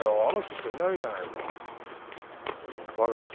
あの人しかいないじゃないか。